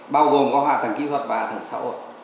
bao gồm có hạ tầng kỹ thuật và hạ tầng xã hội